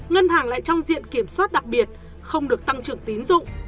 ngân hàng lại trong diện kiểm soát đặc biệt không được tăng trưởng tín dụng